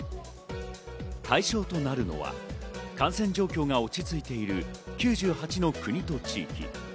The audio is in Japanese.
対象となるのは感染状況が落ち着いている９８の国と地域。